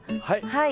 はい。